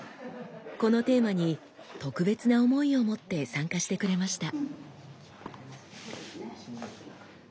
このテーマに特別な思いを持って参加してくれました。